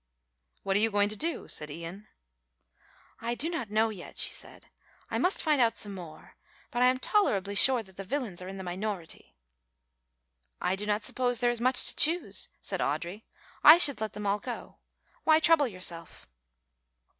"What are you going to do?" said Ian. "I do not know yet," she said, "I must find out some more, but I am tolerably sure that the villains are in the minority." "I do not suppose there is much to choose," said Audry. "I should let them all go. Why trouble yourself?"